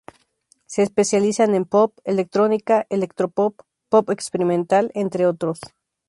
Se especializan en pop, electrónica, electropop, pop experimental, entre otros.